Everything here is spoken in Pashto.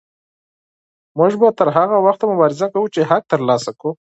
موږ به تر هغه وخته مبارزه کوو چې حق ترلاسه کړو.